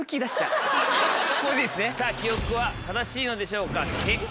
さぁ記憶は正しいのでしょうか？